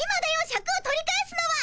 シャクを取り返すのは！